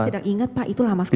tidak ingat pak itu lama sekali